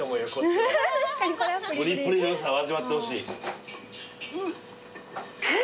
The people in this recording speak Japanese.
プリプリのよさを味わってほしい。